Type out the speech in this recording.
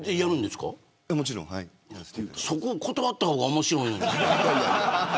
そこ断った方が面白いのに。